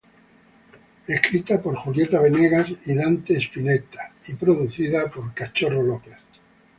Fue escrita por Julieta Venegas y Dante Spinetta producida por Cachorro López.